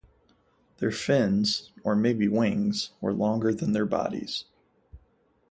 Their fins-or maybe wings-were longer than their bodies.